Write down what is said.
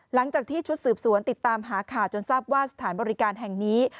หลังจากที่ชุดสืบสวนติดตามหาข่าวจนทราบว่าสถานบริการแห่งนี้